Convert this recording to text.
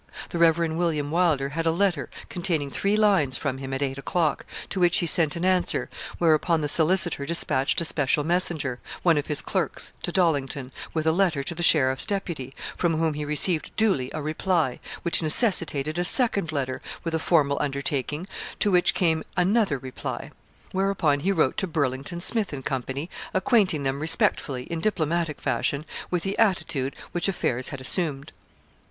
The Rev. William Wylder had a letter containing three lines from him at eight o'clock, to which he sent an answer, whereupon the solicitor despatched a special messenger, one of his clerks to Dollington, with a letter to the sheriff's deputy, from whom he received duly a reply, which necessitated a second letter with a formal undertaking, to which came another reply; whereupon he wrote to Burlington, Smith, and Co., acquainting them respectfully, in diplomatic fashion, with the attitude which affairs had assumed.